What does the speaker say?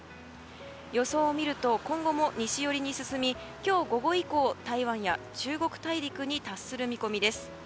予想を見ると今後も西寄りに進み今日午後以降、台湾や中国大陸に達する見込みです。